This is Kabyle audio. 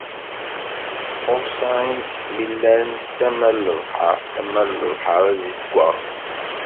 Ɛuṣan-k mi llan tama n lebḥer, tama n lebḥer azeggaɣ.